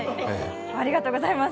ありがとうございます。